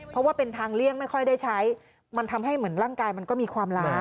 เพราะว่าเป็นทางเลี่ยงไม่ค่อยได้ใช้มันทำให้เหมือนร่างกายมันก็มีความล้า